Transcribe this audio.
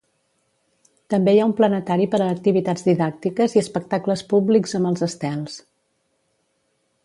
També hi ha un planetari per a activitats didàctiques i espectacles públics amb els estels.